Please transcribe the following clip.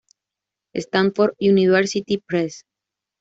Stanford University Press".